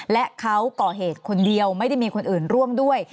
และเขาก่อเหตุคนเดียวไม่ได้มีคนอื่นร่วมด้วย